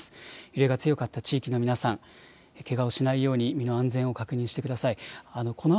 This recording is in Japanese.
揺れが強かった地域の皆さん、けがをしないように身の安全を確認してください。